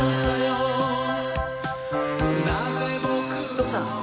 徳さん。